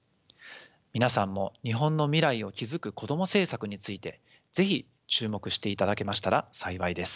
皆さんも日本の未来を築くこども政策について是非注目していただけましたら幸いです。